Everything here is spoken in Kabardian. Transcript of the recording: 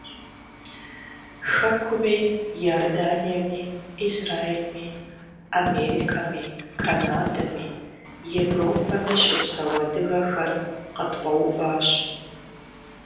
Хэкуми, Иорданиеми, Израилми, Америкэми, Канадэми, Европэми щыпсэу адыгэхэр къыткъуэуващ.